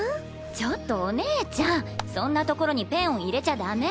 ちょっとお姉ちゃんそんな所にペンを入れちゃダメ！